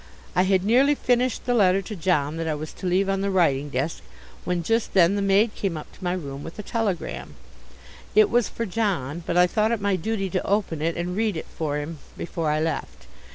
I had nearly finished the letter to John that I was to leave on the writing desk, when just then the maid came up to my room with a telegram. It was for John, but I thought it my duty to open it and read it for him before I left.